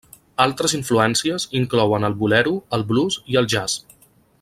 Altres influències inclouen el bolero, el blues i el jazz.